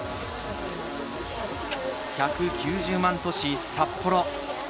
１９０万都市・札幌。